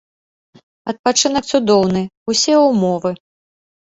Адпачынак цудоўны, усе ўмовы.